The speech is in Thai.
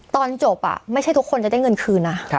ตอนจบไม่ใช่ทุกคนจะได้เงินคืนนะ